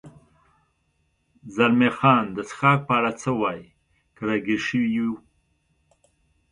زلمی خان: د څښاک په اړه څه وایې؟ که را ګیر شوي یو.